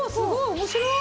面白い！